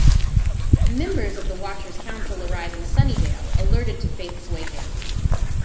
Members of the Watchers' Council arrive in Sunnydale, alerted to Faith's waking.